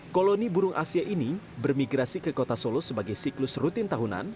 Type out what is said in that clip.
koloni burung asia ini bermigrasi ke kota solo sebagai siklus rutin tahunan